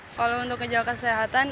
kalau untuk menjaga kesehatan